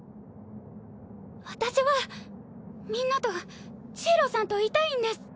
私はみんなとジイロさんといたいんです。